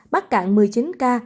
bắc cạn một mươi chín ca